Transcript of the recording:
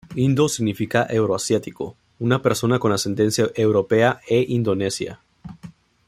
Indo significa euroasiático: una persona con ascendencia europea e indonesia.